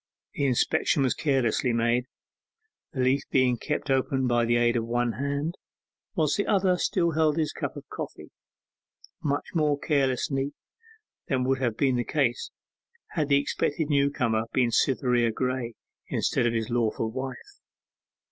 The inspection was carelessly made, the leaf being kept open by the aid of one hand, whilst the other still held his cup of coffee; much more carelessly than would have been the case had the expected new comer been Cytherea Graye, instead of his lawful wife.